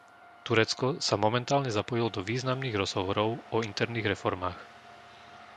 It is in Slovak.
Turecko sa momentálne zapojilo do významných rozhovorov o interných reformách.